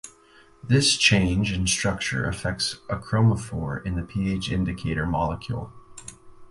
This change in structure affects a chromophore in the pH indicator molecule.